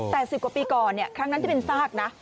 แต่๑๐กว่าปีก่อนครั้งนั้นที่เป็นซากนะ